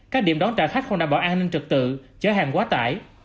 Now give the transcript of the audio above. các điểm đón trả khách không đảm bảo an ninh trực tự chở hàng quá tải